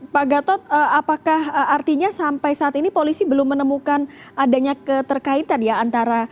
pak gatot apakah artinya sampai saat ini polisi belum menemukan adanya keterkaitan ya antara